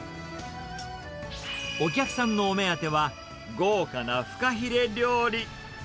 お客さんのお目当ては、豪華なフカヒレ料理。